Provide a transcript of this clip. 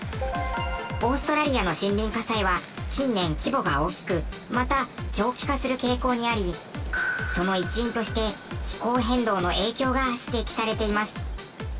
オーストラリアの森林火災は近年規模が大きくまた長期化する傾向にありその一因として気候変動の影響が指摘されています。